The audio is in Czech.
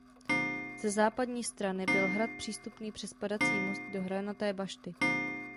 Ze západní strany byl hrad přístupný přes padací most do hranaté bašty.